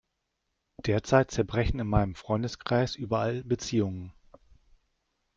Derzeit zerbrechen in meinem Freundeskreis überall Beziehungen.